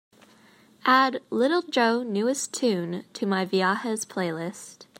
Add little joe newest tune to my viajes playlist